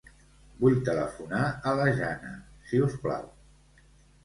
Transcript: Vull telefonar a la Jana, si us plau.